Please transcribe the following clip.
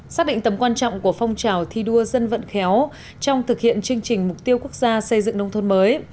xác định tầm quan trọng của phong trào thi đua dân vận khéo trong thực hiện chương trình mục tiêu quốc gia xây dựng nông thôn mới